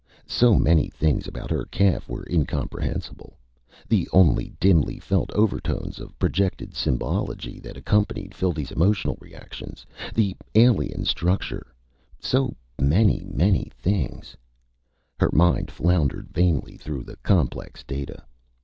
So many things about her calf were incomprehensible the only dimly felt overtones of projected symbology that accompanied Phildee's emotional reactions, the alien structure so many, many things. Her mind floundered vainly through the complex data.